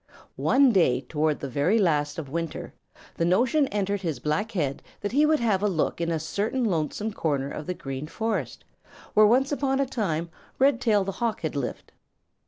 One day toward the very last of winter, the notion entered his black head that he would have a look in a certain lonesome corner of the Green Forest where once upon a time Redtail the Hawk had lived.